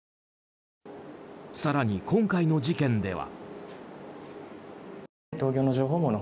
更に今回の事件では。